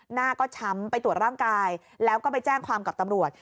หน้าก็ช้ำไปตรวจร่างกายแล้วก็ไปแจ้งความกับตำรวจ